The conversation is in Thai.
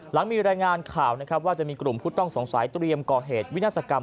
หลังมีรายงานข่าวนะครับว่าจะมีกลุ่มผู้ต้องสงสัยเตรียมก่อเหตุวินาศกรรม